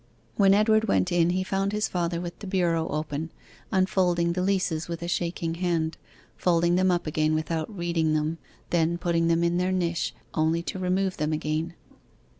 When Edward went in he found his father with the bureau open, unfolding the leases with a shaking hand, folding them up again without reading them, then putting them in their niche only to remove them again.